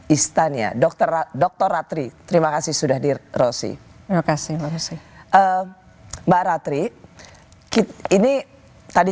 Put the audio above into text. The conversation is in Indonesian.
istania dokter doktor ratri terima kasih sudah dirosi terima kasih mbak ratri kit ini tadi